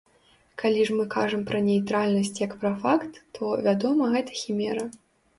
Калі ж мы кажам пра нейтральнасць як пра факт, то, вядома, гэта хімера.